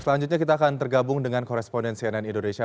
selanjutnya kita akan tergabung dengan koresponden cnn indonesia